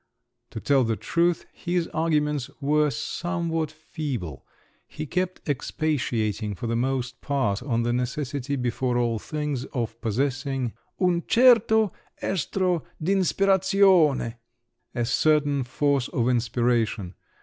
To tell the truth, his arguments were somewhat feeble; he kept expatiating for the most part on the necessity, before all things, of possessing "un certo estro d'inspirazione"—a certain force of inspiration!